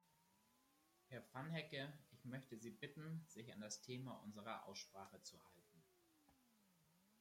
Herr Vanhecke, ich möchte Sie bitten, sich an das Thema unserer Aussprache zu halten.